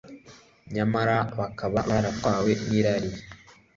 nyamara bakaba baratwawe n’irari,